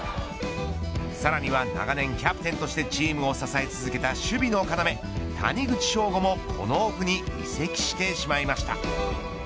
さらには長年キャプテンとしてチームを支え続けた守備の要、谷口彰悟もこのオフに移籍してしまいました。